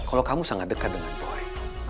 kalau kamu sangat dekat dengan poi